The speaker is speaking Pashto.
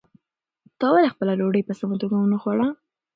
تا ولې خپله ډوډۍ په سمه توګه ونه خوړه؟